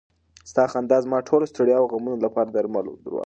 ستا خندا زما د ټولو ستړیاوو او غمونو لپاره درمل و.